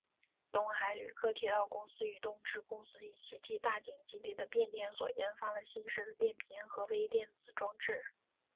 东海旅客铁道公司与东芝公司一起替大井基地的变电所研发了新式的变频和微电子装置。